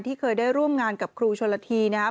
เคยได้ร่วมงานกับครูชนละทีนะครับ